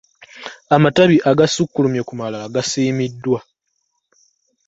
Amatabi agasukkulumye ku malala gasiimiddwa.